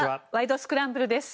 スクランブル」です。